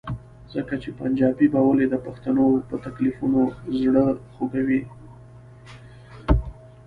ځکه چې پنجابی به ولې د پښتنو په تکلیفونو زړه خوږوي؟